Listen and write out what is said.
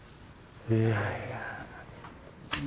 いやいや。